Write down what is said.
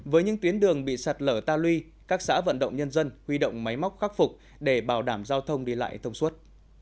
với những tuyến đường bị sạt lở ta lui các xã vận động nhân dân huy động máy móc khắc phục để bảo đảm giao thông đi lại thông suốt